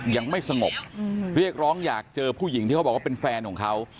ยังไม่สงบเรียกร้องอยากเจอผู้หญิงที่เขาบอกว่าเป็นแฟนของเขา